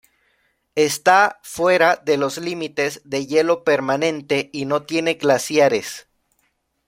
Está fuera de los límites de hielo permanente y no tiene glaciares.